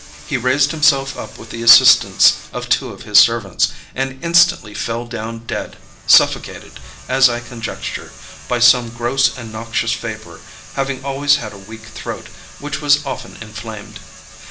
He raised himself up with the assistance of two of his servants, and instantly fell down dead, suffocated, as I conjecture, by some gross and noxious vapor, having always had a weak throat, which was often inflamed.